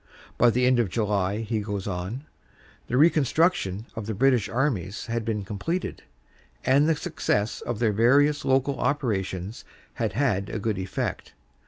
"By the end of July," he goes on, l( the reconstitution of the British armies had been completed, and the success of their various local operations had had a good effect.